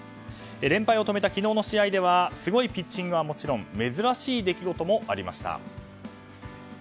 連敗を止めた昨日の試合ではすごいピッチングはもちろん珍しい出来事もありました。